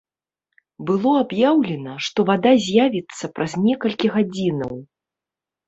Было аб'яўлена, што вада з'явіцца праз некалькі гадзінаў.